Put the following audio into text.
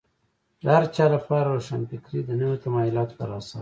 د هر چا لپاره روښانفکري د نویو تمایلاتو په اساس.